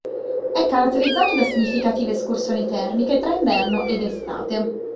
È caratterizzato da significative escursioni termiche tra inverno ed estate.